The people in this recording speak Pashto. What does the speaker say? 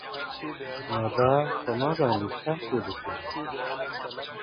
• نو دا په ما باندي چا كوډي كړي.